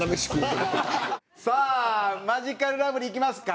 さあマヂカルラブリーいきますか。